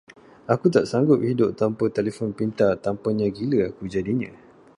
Aku tak sanggup hidup tanpa telefon pintar, tanpanya gila aku jadinya.